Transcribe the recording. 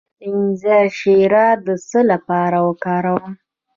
د انځر شیره د څه لپاره وکاروم؟